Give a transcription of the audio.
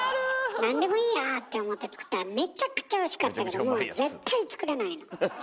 何でもいいやって思って作ったらめちゃくちゃおいしかったけどもう絶対作れないの。